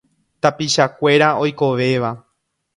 Tapichakuéra oikovéva.